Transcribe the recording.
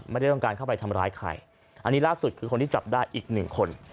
ไม่ได้ต้องการเข้าไปทำร้ายใครอันนี้ล่าสุดคือคนที่จับได้อีกหนึ่งคน